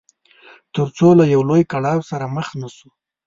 تر څو له لوی کړاو سره مخ نه شو.